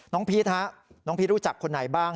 น้องพีชหรูจักคนไหนบ้าง